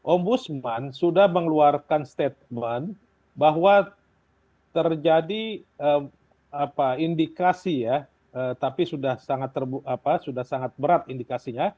ombudsman sudah mengeluarkan statement bahwa terjadi apa indikasi ya tapi sudah sangat apa sudah sangat berat indikasinya